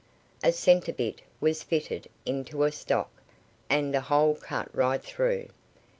A centre bit was fitted into a stock, and a hole cut right through.